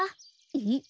えっ？